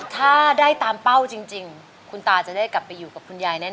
ถ้าได้ตามเป้าจริงคุณตาจะได้กลับไปอยู่กับคุณยายแน่